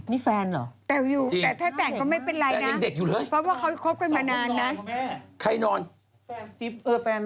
นี่แฟนเหรอแต่อยู่แต่ถ้าแต่งก็ไม่เป็นไรเพราะว่าเขาคบกันมานานนะใครนอน